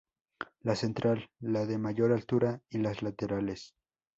La central, la de mayor altura, y las laterales.